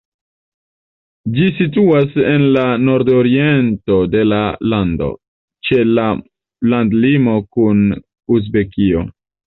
Ĝi situas en la nordoriento de la lando, ĉe la landlimo kun Uzbekio.